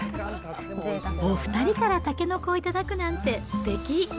お２人からたけのこを頂くなんてすてき。